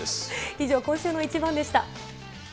以上、今週のイチバンでした。